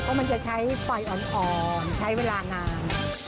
เพราะมันจะใช้ไฟอ่อนใช้เวลานาน